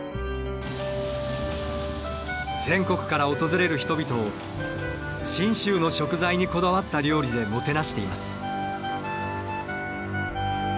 全国から訪れる人々を信州の食材にこだわった料理でもてなしています。